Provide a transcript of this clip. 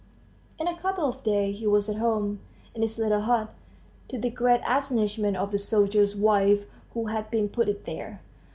In a couple of days he was at home, in his little hut, to the great astonishment of the soldier's wife who had been put in there.